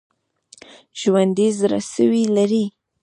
ژوندي زړسوي لري